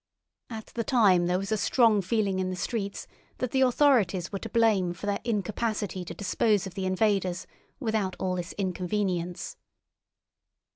At that time there was a strong feeling in the streets that the authorities were to blame for their incapacity to dispose of the invaders without all this inconvenience.